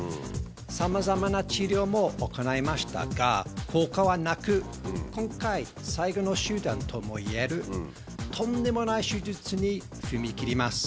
さまざまな治療も行いましたが、効果はなく、今回、最後の手段ともいえる、とんでもない手術に踏み切ります。